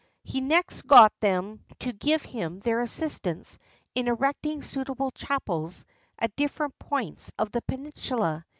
He next got them to give him their assistance in erecting suitable chapels at different points of the penin sula.